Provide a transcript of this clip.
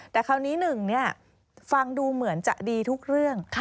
แต่คราวนี้หนึ่งฟังดูเหมือนจะดีทุกเรื่อง